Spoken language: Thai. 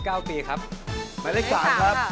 หมายครับหมายเลข๓ครับ